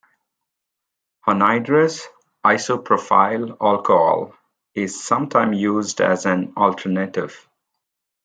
Anhydrous isopropyl alcohol is sometimes used as an alternative.